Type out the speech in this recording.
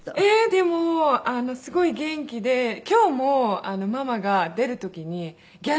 でもすごい元気で今日もママが出る時にギャン泣き初めてして。